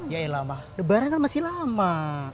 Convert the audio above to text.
yaelah mah lebaran kan masih lama